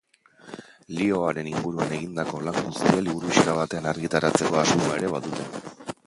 Lihoaren inguruan egindako lan guztia liburuxka batean argitaratzeko asmoa ere badute.